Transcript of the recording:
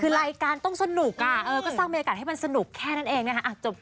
คือรายการต้องสนุกก็สร้างบรรยากาศให้มันสนุกแค่นั้นเองนะคะ